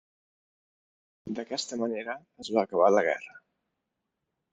D'aquesta manera es va acabar la guerra.